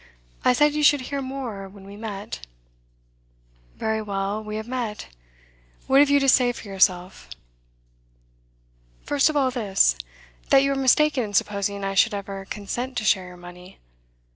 I said you should hear more when we met.' 'Very well, we have met. What have you to say for yourself?' 'First of all, this. That you are mistaken in supposing I should ever consent to share your money.